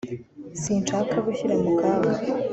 Sinshaka gushyira mu kaga